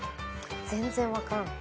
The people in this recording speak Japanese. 全然分かんない。